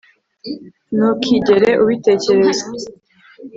ntukigere ubitekereza